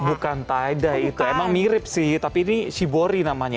bukan taidai itu emang mirip sih tapi ini shibori namanya